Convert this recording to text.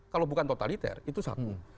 kalau bukan totaliter itu satu